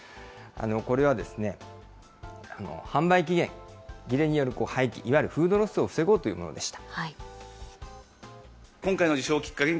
これは販売期限切れによる廃棄、いわゆるフードロスを防ごうというものでした。